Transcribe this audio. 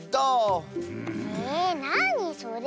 えなにそれ？